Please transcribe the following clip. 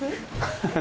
ハハハ！